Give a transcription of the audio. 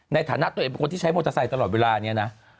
ในฐานะตัวเองเป็นคนที่ใช้มอเตอร์ไซค์ตลอดเวลานี้นะ